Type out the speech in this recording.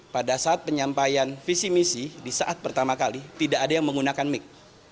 pada saat penyampaian visi misi di saat pertama kali tidak ada yang menggunakan mic